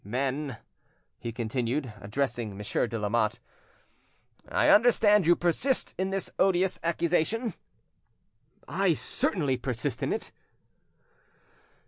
"Then," he continued, addressing Monsieur de Lamotte, "I understand you persist in this odious accusation?" "I certainly persist in it."